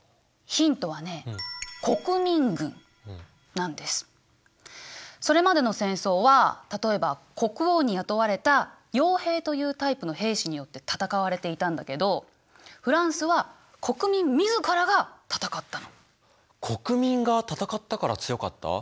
ヒントはねそれまでの戦争は例えば国王に雇われたよう兵というタイプの兵士によって戦われていたんだけど国民が戦ったから強かった？